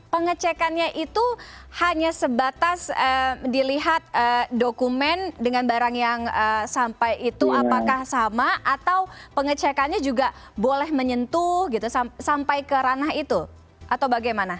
pengecekannya itu hanya sebatas dilihat dokumen dengan barang yang sampai itu apakah sama atau pengecekannya juga boleh menyentuh sampai ke ranah itu atau bagaimana